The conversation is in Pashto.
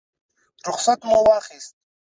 رخصت مو واخیست.